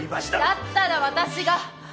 だったら私が！